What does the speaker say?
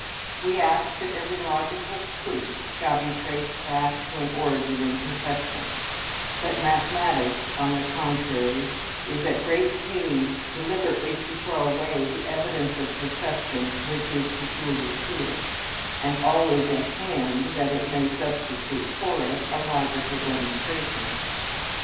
We ask that every logical proof shall be traced back to an origin in perception; but mathematics, on the contrary, is at great pains deliberately to throw away the evidence of perception which is peculiar to it, and always at hand, that it may substitute for it a logical demonstration.